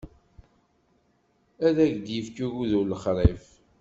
Ad d-ifk ugudu lexṛif.